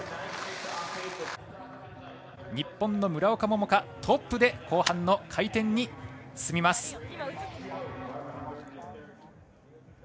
日本の村岡桃佳トップで後半の回転に進みます。